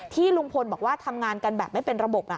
ลุงพลบอกว่าทำงานกันแบบไม่เป็นระบบ